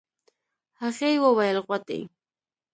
هغې وويل غوټۍ.